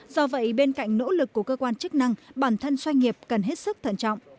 do vậy bên cạnh nỗ lực của cơ quan chức năng bản thân doanh nghiệp cần hết sức thận trọng